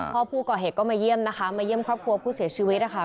พ่อผู้ก่อเหตุก็มาเยี่ยมนะคะมาเยี่ยมครอบครัวผู้เสียชีวิตนะคะ